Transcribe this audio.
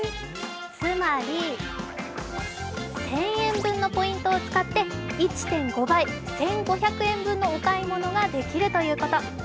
つまり１０００円分のポイントを使って１．５倍、１５００円分のお買い物ができるということ。